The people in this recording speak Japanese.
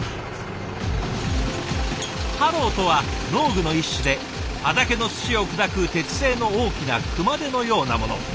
ハローとは農具の一種で畑の土を砕く鉄製の大きな熊手のようなもの。